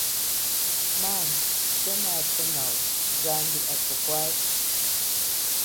Mama, chenacho nawa, zambi athukwase.